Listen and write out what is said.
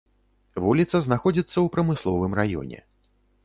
Вуліца знаходзіцца ў прамысловым раёне.